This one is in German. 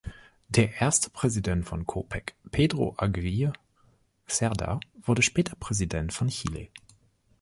Der erste Präsident von Copec, Pedro Aguirre Cerda, wurde später Präsident von Chile.